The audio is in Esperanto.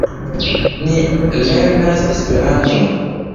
Ni lernas Esperanton.